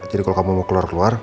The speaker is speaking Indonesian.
jadi kalau kamu mau keluar keluar